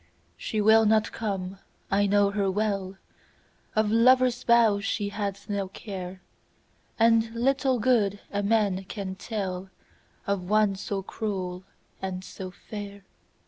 She will not come, I know her well, Of lover's vows she hath no care, And little good a man can tellOf one so cruel and so fair.